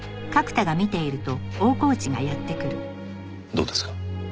どうですか？